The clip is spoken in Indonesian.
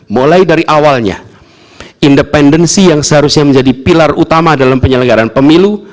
mulai dari awalnya independensi yang seharusnya menjadi pilar utama dalam penyelenggaran pemilu